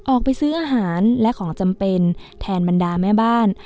ออกไปซื้ออาหารและของจำเป็นแทนบรรดาแม่บ้าน